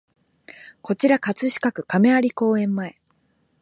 こちら葛飾区亀有公園前